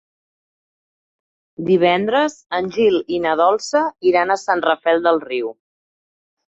Divendres en Gil i na Dolça iran a Sant Rafel del Riu.